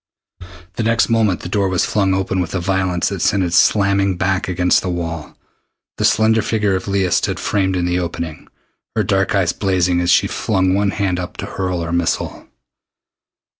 The next moment the door was flung open with a violence that sent it slamming back against the wall. The slender figure of Leah stood framed in the opening, her dark eyes blazing as she flung one hand up to hurl her missile.